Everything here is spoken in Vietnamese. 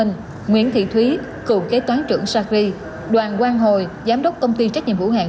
nguyễn thị thúy cựu kế toán trưởng sacri đoàn quang hồi giám đốc công ty trách nhiệm hữu hạng